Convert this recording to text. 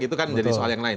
itu kan jadi soal yang lain